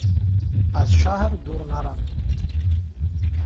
Аз шаҳр дур наравем.